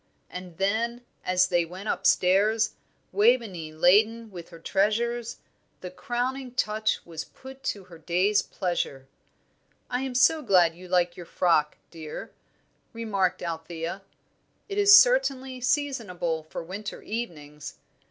And then, as they went upstairs, Waveney laden with her treasures, the crowning touch was put to her day's pleasure. "I am so glad you like your frock, dear," remarked Althea; "it is certainly seasonable for winter evenings.